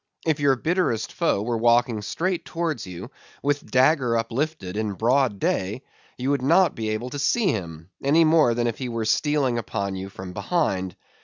If your bitterest foe were walking straight towards you, with dagger uplifted in broad day, you would not be able to see him, any more than if he were stealing upon you from behind.